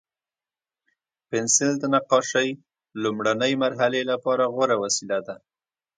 پنسل د نقاشۍ لومړني مرحلې لپاره غوره وسیله ده.